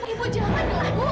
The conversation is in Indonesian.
ibu janganlah ibu